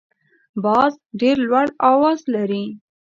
باز ډیر لوړ اواز لري